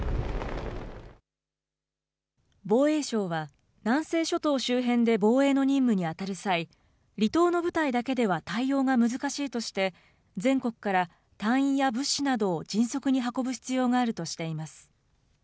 防衛省は、南西諸島周辺で防衛の任務に当たる際、離島の部隊だけでは対応が難しいとして、全国から隊員や物資などを迅速に運ぶ必要があるとしています。